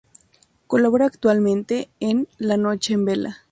Colabora actualmente en "La noche en vela".